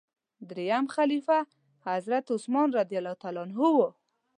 دریم خلیفه حضرت عثمان رض و.